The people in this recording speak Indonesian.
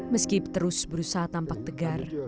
meski terus berusaha tampak tegar